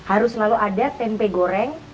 harus selalu ada tempe goreng